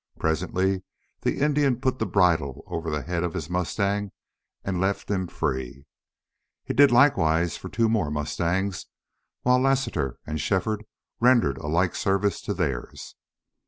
Presently the Indian put the bridle over the head of his mustang and left him free. He did likewise for two more mustangs, while Lassiter and Shefford rendered a like service to theirs.